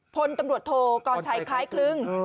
พลตำรวจโทกรชัยคล้ายครึ่ง